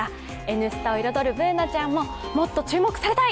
「Ｎスタ」を彩るＢｏｏｎａちゃんももっと注目されたい！